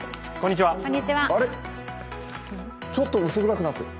あれっ、ちょっと薄暗くなってる。